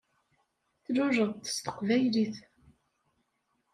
Tluleḍ-d s teqbaylit.